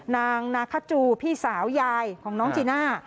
นางนาคาจูพี่สาวยายของน้องจีน่า